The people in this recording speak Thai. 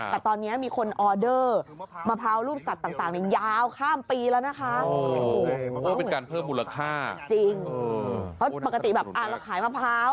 เพราะปกติแบบเราขายมะพร้าว